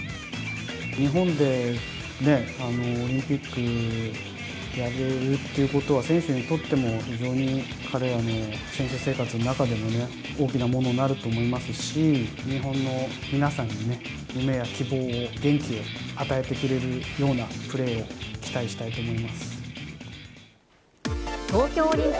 日本でオリンピックやれるっていうことは、選手にとっても非常に彼らの選手生活の中でも大きなものになると思いますし、日本の皆さんにね、夢や希望を、元気を与えてくれるようなプレーを期待したいと思い